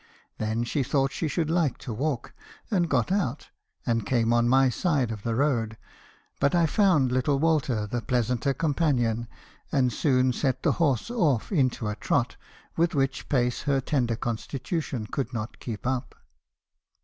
Then she thought she should like to walk, and got out , and came on my side of the road; but I found little Walter the pleasanter companion, and soon set the horse off into a trot, with which pace her tender constitution could not keep up.